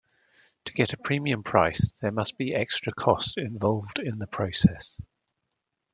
To get a premium price, there must be extra cost involved in the process.